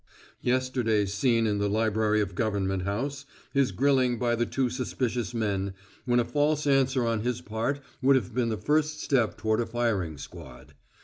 Yesterday's scene in the library of Government House his grilling by the two suspicious men, when a false answer on his part would have been the first step toward a firing squad.